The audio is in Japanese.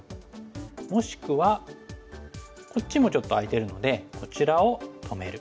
もしくはこっちもちょっと空いてるのでこちらを止める。